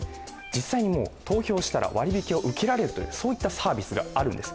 実際に投票したら割引を受けられる、そういったサービスがあるんです。